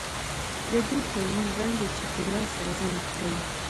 د دې حیوان رنګ د چاپېریال سره ځان پټوي.